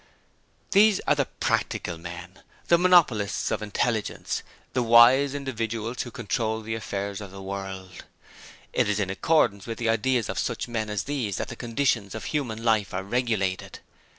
These are the 'practical' men; the monopolists of intelligence, the wise individuals who control the affairs of the world: it is in accordance with the ideas of such men as these that the conditions of human life are regulated.